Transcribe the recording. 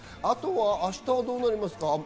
明日はどうなりますか？